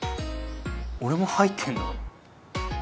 俺も入ってんの？